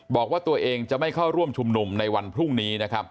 บอกว่าตัวเองจะไม่เข้าร่วมชุมนุมในวันพรุ่งนี้นะครับ